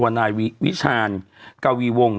เราก็มีความหวังอะ